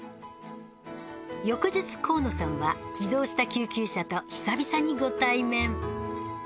翌日香野さんは寄贈した救急車と久々にご対面。